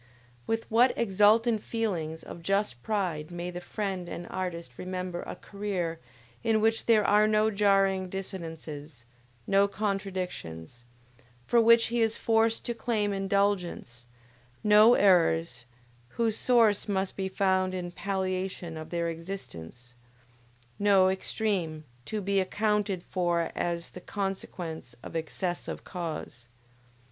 With what exultant feelings of just pride may the friend and artist remember a career in which there are no jarring dissonances; no contradictions, for which he is forced to claim indulgence; no errors, whose source must be found in palliation of their existence; no extreme, to be accounted for as the consequence of "excess of cause."